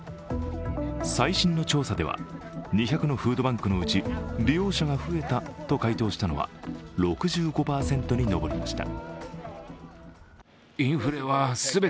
最新の調査では２００のフードバンクのうち利用者が増えたと回答したのは６５％に上りました。